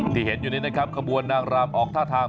เห็นอยู่นี้นะครับขบวนนางรำออกท่าทาง